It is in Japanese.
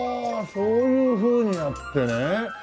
そういうふうになってね。